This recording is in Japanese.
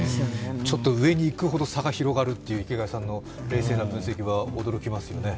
ちょっと上に行くほど差が広がるという池谷さんの冷静な分析は驚きますよね。